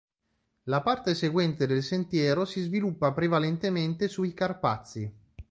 La parte seguente del sentiero si sviluppa prevalentemente sui Carpazi.